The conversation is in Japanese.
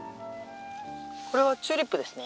これはチューリップですね。